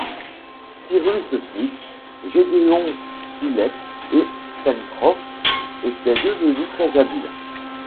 Cyrus Smith, Gédéon Spilett et Pencroff étaient devenus très-habiles.